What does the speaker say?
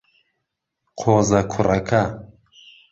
قۆزە کوڕەکە.